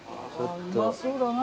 うまそうだな。